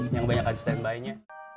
yang banyak aja stand by nya